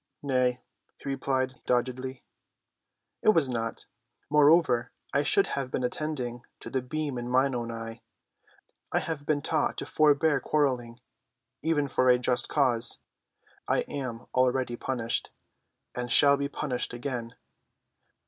"Nay," he replied doggedly, "it was not. Moreover, I should have been attending to the beam in mine own eye. I have been taught to forbear quarreling—even for a just cause. I am already punished, and shall be punished again.